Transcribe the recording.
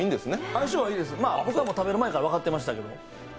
相性いいです、僕は食べる前から分かってましたけど。